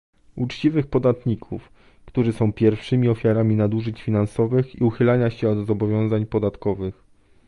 uczciwych podatników, którzy są pierwszymi ofiarami nadużyć finansowych i uchylania się od zobowiązań podatkowych